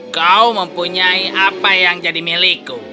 kau mempunyai apa yang jadi milikku